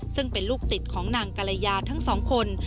ซึ่งเป็นลูกติดของนางกรยาทั้งสองคน